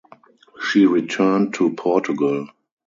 She returned to Portugal.